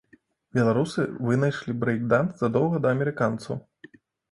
Беларусы вынайшлі брэйк-данс задоўга да амерыканцаў.